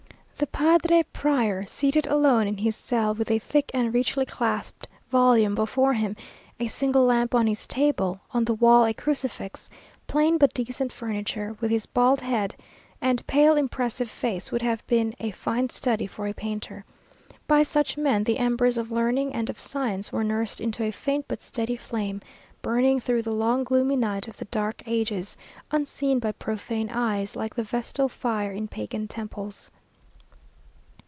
The padre prior, seated alone in his cell, with a thick and richly clasped volume before him, a single lamp on his table, on the wall a crucifix, plain but decent furniture, with his bald head, and pale, impressive face, would have made a fine study for a painter. By such men, the embers of learning and of science were nursed into a faint but steady flame, burning through the long, gloomy night of the dark ages, unseen by profane eyes, like the vestal fire in pagan temples....